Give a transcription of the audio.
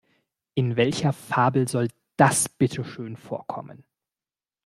In welcher Fabel soll das bitte schön vorkommen?